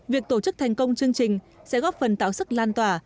việc tổ chức thành công chương trình sẽ góp phần tạo sức lan tỏa